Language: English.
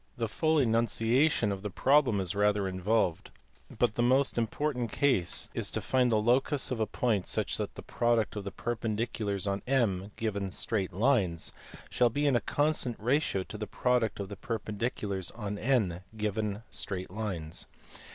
The full enunciation of the problem is rather involved, but the most important case is to find the locus of a point such that the product of the perpen diculars on m given straight lines shall be in a constant ratio to the product of the perpendiculars on n other given straight lines.